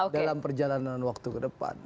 dalam perjalanan waktu kedepan